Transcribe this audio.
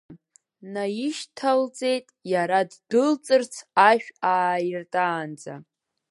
Наишьҭалҵеит, иара ддәылҵырц ашә ааиртаанӡа.